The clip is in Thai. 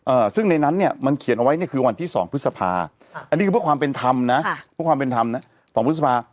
เอ่อซึ่งในนั้นมันเขียนเอาไว้เนนี่คือวันที่๒พฤษภาอันนี้คือเพื่อความเป็นธรรมนะกับความเป็นธรรมนะ